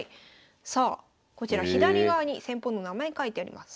さあこちら左側に戦法の名前書いてあります。